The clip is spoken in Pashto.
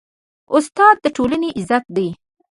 استاد د ټولنې عزت دی.